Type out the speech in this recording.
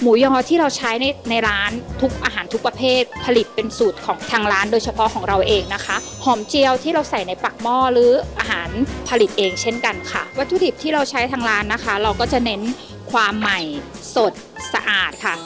ยอที่เราใช้ในในร้านทุกอาหารทุกประเภทผลิตเป็นสูตรของทางร้านโดยเฉพาะของเราเองนะคะหอมเจียวที่เราใส่ในปากหม้อหรืออาหารผลิตเองเช่นกันค่ะวัตถุดิบที่เราใช้ทางร้านนะคะเราก็จะเน้นความใหม่สดสะอาดค่ะ